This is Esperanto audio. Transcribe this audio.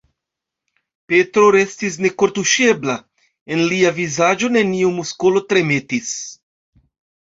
Petro restis nekortuŝebla: en lia vizaĝo neniu muskolo tremetis.